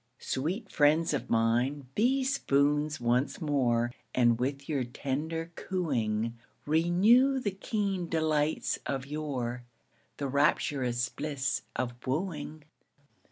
Sweet friends of mine, be spoons once more, And with your tender cooing Renew the keen delights of yore The rapturous bliss of wooing.